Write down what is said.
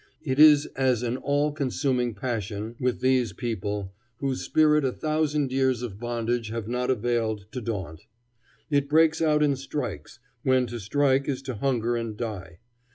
It is as an all consuming passion with these people, whose spirit a thousand years of bondage have not availed to daunt. It breaks out in strikes, when to strike is to hunger and die.